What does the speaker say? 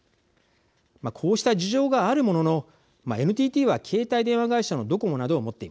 こうした事情があるもののＮＴＴは携帯電話会社のドコモなどを持っています。